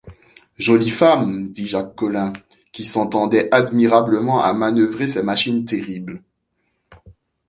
Jolie femme! dit Jacques Collin qui s’entendait admirablement à manœuvrer ces machines terribles.